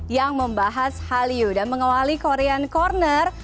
yang membahas hallyu dan mengawali korean corner